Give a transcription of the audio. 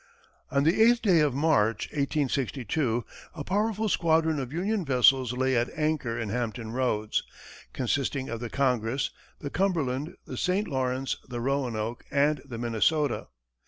On the eighth day of March, 1862, a powerful squadron of Union vessels lay at anchor in Hampton Roads, consisting of the Congress, the Cumberland, the St. Lawrence, the Roanoke, and the Minnesota.